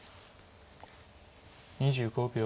２５秒。